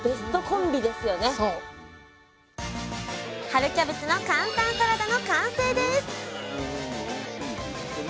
「春キャベツの簡単サラダ」の完成です！